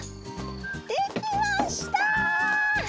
できました！